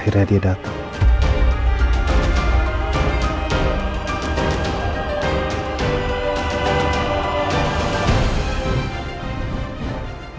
akhirnya dia datang